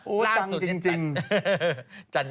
โอ้จังจริง